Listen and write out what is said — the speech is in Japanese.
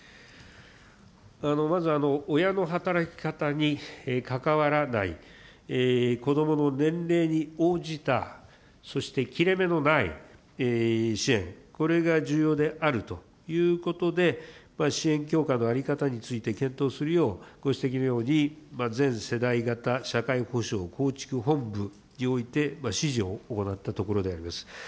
まず親の働き方に関わらない子どもの年齢に応じた、そして、切れ目のない支援、これが重要であるということで、支援強化の在り方について検討するようご指摘のように全世代型社会保障構築本部において、指示を行ったところであります。